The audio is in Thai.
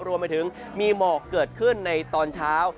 รวมไปถึงมีหมอกเกิดขึ้นในตอนเช้า